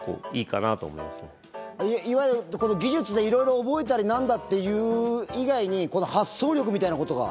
いわゆる技術で色々覚えたりなんだっていう以外に発想力みたいな事が。